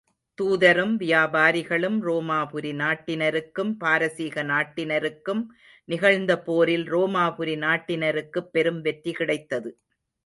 தூதரும் வியாபாரிகளும் ரோமாபுரி நாட்டினருக்கும், பாரசீக நாட்டினருக்கும் நிகழ்ந்த போரில், ரோமாபுரி நாட்டினருக்குப் பெரும் வெற்றி கிடைத்தது.